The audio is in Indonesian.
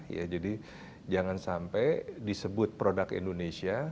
ya jadi jangan sampai disebut produk indonesia